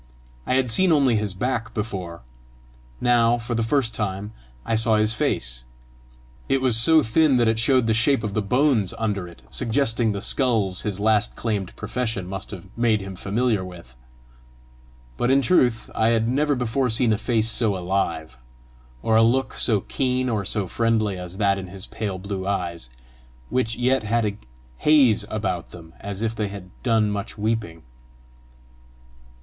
I had seen only his back before; now for the first time I saw his face. It was so thin that it showed the shape of the bones under it, suggesting the skulls his last claimed profession must have made him familiar with. But in truth I had never before seen a face so alive, or a look so keen or so friendly as that in his pale blue eyes, which yet had a haze about them as if they had done much weeping.